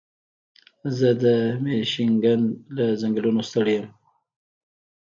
زه د مېشیګن له ځنګلونو ستړی یم.